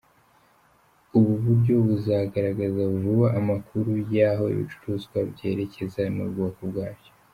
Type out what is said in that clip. Ubu buryo buzagaragaza vuba amakuru y’aho ibicuruzwa byerekeza n’ubwoko bwacyo.